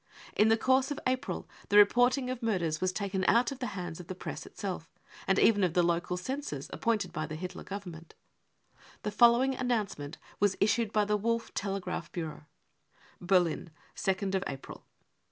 In the course of April the reporting of murders was taken out of the hands of the Press itself, and even of the local censors appointed by the Hitler Government : the following announcement was issued by the Wolff Telegraph Bureau : 4 4 Berlin, 2nd April.